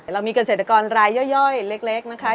เรามีเกษตรกรรายย่อยเล็กนะคะ